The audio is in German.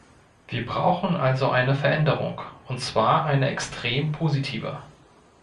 Wir brauchen also eine Veränderung, und zwar eine extrem positive.